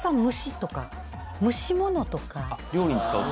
料理に使う？